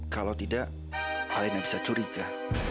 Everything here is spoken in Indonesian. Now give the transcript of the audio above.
kalau tidak alena bisa curiga